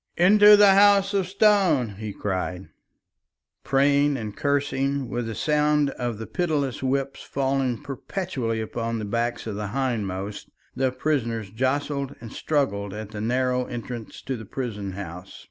"Into the House of Stone!" he cried. Praying and cursing, with the sound of the pitiless whips falling perpetually upon the backs of the hindmost, the prisoners jostled and struggled at the narrow entrance to the prison house.